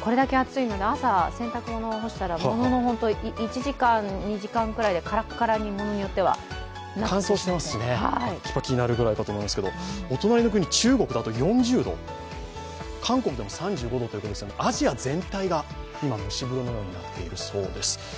これだけ暑いので、朝、洗濯物を干したら、ものの１２時間でカラッカラに、物によっては。乾燥してますしね、パキパキになるかと思いますけど、お隣の国、中国では４０度、韓国でも３５度ということで、アジア全体が今、蒸し風呂のようになっているそうです。